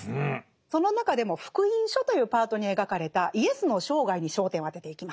その中でも「福音書」というパートに描かれたイエスの生涯に焦点を当てていきます。